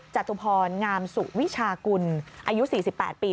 จตุพรงามสุวิชากุลอายุ๔๘ปี